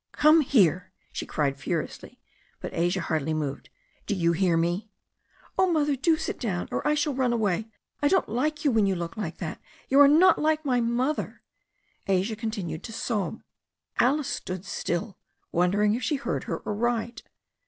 "Come here," she cried furiously. But Asia hardly moved. "Do you hear me ?" "Oh, Mother, do sit down or I shall run away. I don't like you when you look like that. You are not like my mother." Asia continued to sob. Alice stood still, wondering if she heard her aright.